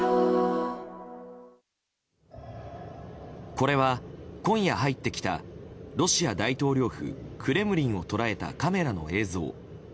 これは今夜入ってきたロシア大統領府クレムリンを捉えたカメラの映像。